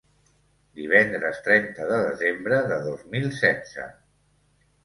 Divendres trenta de desembre de dos mil setze.